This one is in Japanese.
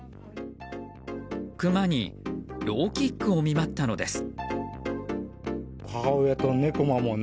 クマにローキックを見舞ったのです。